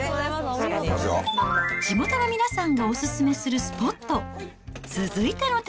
地元の皆さんがお勧めするスポット。